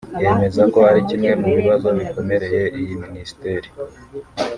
yemeza ko ari kimwe mu bibazo bikomereye iyi minisiteri